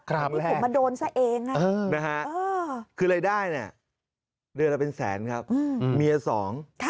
ครับแรกนะครับคือรายได้นี่เรือละเป็นแสนครับมีสอง